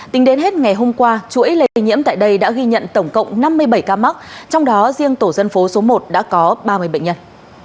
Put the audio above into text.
tính đến hết ngày hôm qua chuỗi lây nhiễm tại đây đã ghi nhận tổng cộng năm mươi bảy ca mắc trong đó riêng tổ dân phố số một đã có ba mươi bệnh nhân